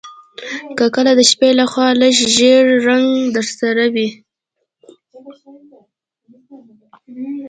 که کله د شپې لخوا لږ ژیړ رنګ درسره وي